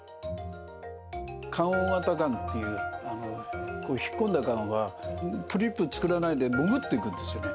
陥凹型がんという引っ込んだがんは、ポリープ作らないで潜っていくんですよね。